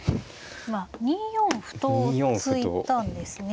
今２四歩と突いたんですね。